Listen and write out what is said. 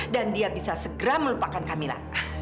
dan dia bisa segera melupakan kak mila